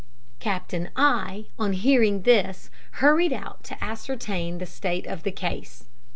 Captain I on hearing this hurried out to ascertain the state of the case.